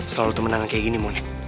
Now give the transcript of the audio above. selalu temen temen kayak gini mon